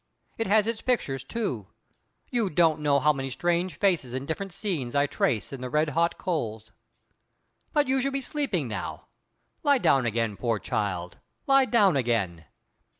It has its pictures too. You don't know how many strange faces and different scenes I trace in the red hot coals. But you should be sleeping now. Lie down again, poor child, lie down again!"